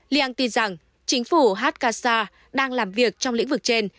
liang tin rằng chính phủ hakasa đang làm việc trong lĩnh vực trên